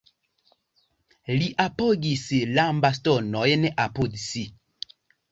Li apogis lambastonojn apud si.